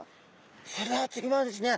それでは次はですね